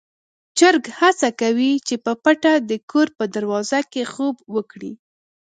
چرګ هڅه کوي چې په پټه د کور په دروازه کې خوب وکړي.